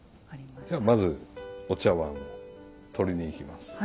まずお茶碗を取りにいきます。